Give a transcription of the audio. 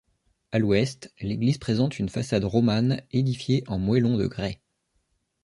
À l'ouest, l'église présente une façade romane édifiée en moellons de grès.